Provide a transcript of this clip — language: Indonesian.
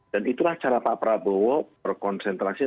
dan itulah cara pak prabowo berkonsentrasi